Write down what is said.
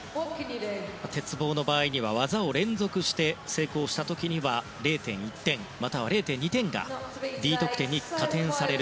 鉄棒の場合には技を連続して成功した時には０．１点、または０．２点がＤ得点に加点される